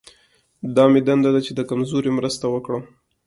دا مې دنده ده چې د کمزوري مرسته وکړم.